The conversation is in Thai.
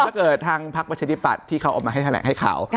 ถ้าเกิดทางพักประชาธิปัตย์ที่เขาออกมาให้แถลงให้เขา